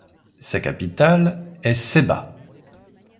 Sa capitale est Sebha.